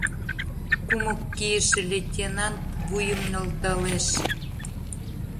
Кумык кийыше лейтенант вуйым нӧлталеш.